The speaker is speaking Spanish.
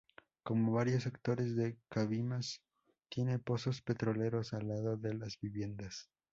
Como varios sectores de Cabimas tiene pozos petroleros al lado de las viviendas.